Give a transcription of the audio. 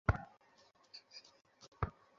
মা কেন এটা বোঝে না?